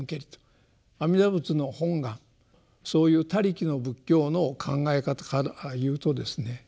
阿弥陀仏の本願そういう他力の仏教の考え方から言うとですね